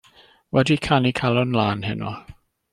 Wedi canu Calon Lân heno.